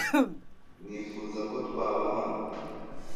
Nifuza ko twaba hano.